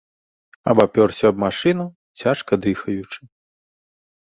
Абапёрся аб машыну, цяжка дыхаючы.